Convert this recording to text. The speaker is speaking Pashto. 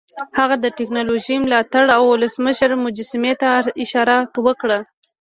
هغه د ټیکنالوژۍ ملاتړي ولسمشر مجسمې ته اشاره وکړه